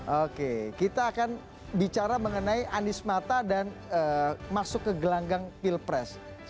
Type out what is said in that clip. oke kita akan bicara mengenai anies mata dan masuk ke gelanggang pilpres